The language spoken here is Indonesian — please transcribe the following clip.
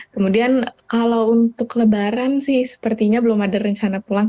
kemudian kalau untuk lebaran sih sepertinya belum ada rencana pulang